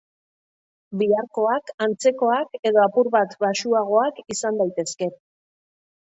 Biharkoak antzekoak edo apur bat baxuagoak izan daitezke.